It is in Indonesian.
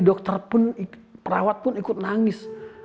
dokter pun perawat pun ikut nangis